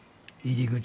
入り口？